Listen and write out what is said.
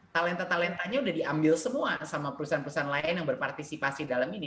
talenta talentanya udah diambil semua sama perusahaan perusahaan lain yang berpartisipasi dalam ini